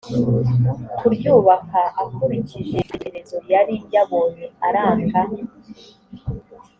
kuryubaka akurikije icyitegererezo yari yabonye aranga